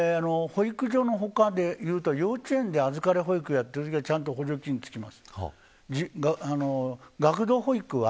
保育所の補完でいうと幼稚園で預かり保育をやっているときはちゃんと補助金が付きます。